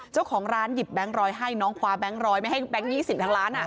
เจ้าของร้านหยิบแบงค์ร้อยให้น้องคว้าแบงค์ร้อยไม่ให้แบงค์๒๐ทั้งล้าน